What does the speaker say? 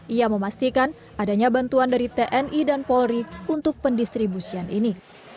ia memastikan adanya bantuan dari tni dan polri untuk pendistribusian ini